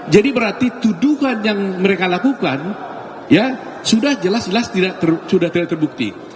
jadi berarti tuduhan yang mereka lakukan ya sudah jelas jelas tidak terbukti